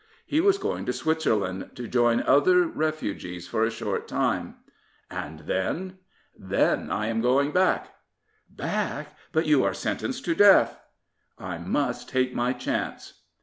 He was going to Switzerland to join other refugees for a short time, "And then?'' " Then I am going back." " Back? But you are sentenced to death." " I must take my chance."